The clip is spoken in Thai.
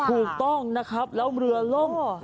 ถูกต้องนะครับแล้วเรือล่ม